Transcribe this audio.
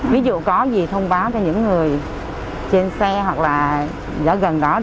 ví dụ có gì thông báo cho những người trên xe hoặc là gần đó